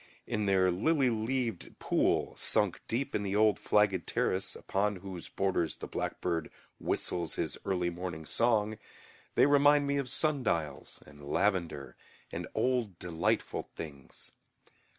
In their lily leaved pool, sunk deep in the old flagged terrace, upon whose borders the blackbird whistles his early morning song, they remind me of sundials and lavender and old delightful things.